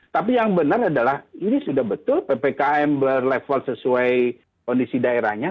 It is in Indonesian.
tapi yang benar adalah ini sudah betul ppkm berlevel sesuai kondisi daerahnya